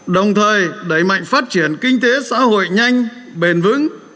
đồng thời đẩy mạnh phát triển kinh tế xã hội nhanh bền vững